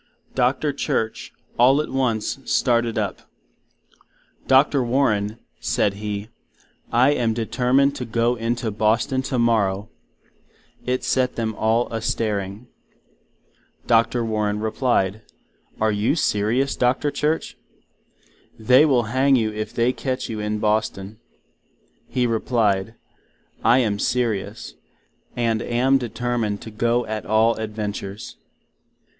Dr. Church, all at once, started up—Dr. Warren, said He, I am determined to go into Boston tomorrow—(it set them all a stairing)—Dr. Warren replyed, Are you serious, Dr. Church? they will Hang you if they catch you in Boston. He replyed, I am serious, and am determined to go at all adventures.